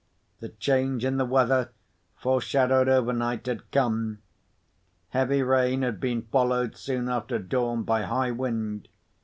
The change in the weather, foreshadowed overnight, had come. Heavy rain had been followed soon after dawn, by high wind.